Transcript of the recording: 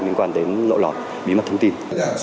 liên quan đến lộ lọt bí mật thông tin